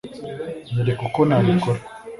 nyereka uko nabikora